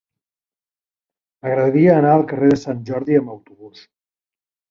M'agradaria anar al carrer de Sant Jordi amb autobús.